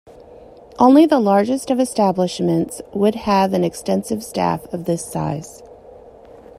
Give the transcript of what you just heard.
Only the largest of establishments would have an extensive staff of this size.